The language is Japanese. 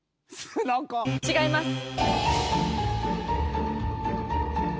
違います。